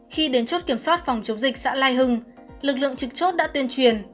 khi đến chốt kiểm soát phòng chống dịch xã lai hưng lực lượng trực chốt đã tuyên truyền